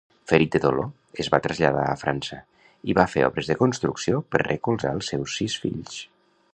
Ferit de dolor, es va traslladar a França i va fer obres de construcció per recolzar els seus sis fills.